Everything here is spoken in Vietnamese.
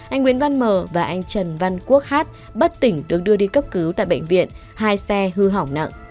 anh nguyễn văn mờ và anh trần văn quốc hát bất tỉnh được đưa đi cấp cứu tại bệnh viện hai xe hư hỏng nặng